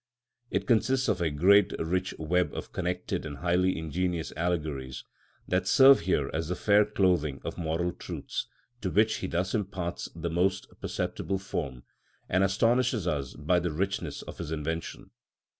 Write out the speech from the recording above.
It consists of a great rich web of connected and highly ingenious allegories, that serve here as the fair clothing of moral truths, to which he thus imparts the most perceptible form, and astonishes us by the richness of his invention.